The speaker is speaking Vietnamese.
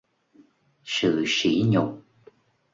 sự sỉ nhục